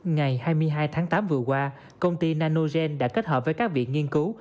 ngày hai mươi hai tháng tám vừa qua công ty nanogen đã kết hợp với các viện nghiên cứu